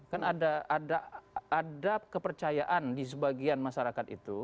kan ada kepercayaan di sebagian masyarakat itu